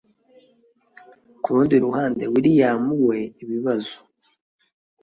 kurundi ruhande william we ibibazo